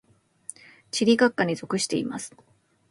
地理学科に属しています。